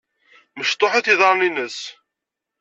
Mecṭuḥ-it yiḍaren-ines.